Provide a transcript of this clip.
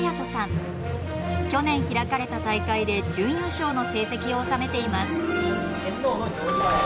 去年開かれた大会で準優勝の成績を収めています。